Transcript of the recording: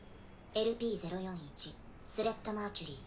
ＬＰ０４１スレッタ・マーキュリー。